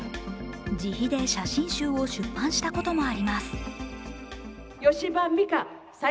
自費で写真集を出版したこともあります。